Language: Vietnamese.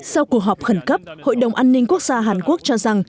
sau cuộc họp khẩn cấp hội đồng an ninh quốc gia hàn quốc cho rằng